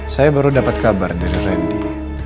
saya baru dapat kabar dari randy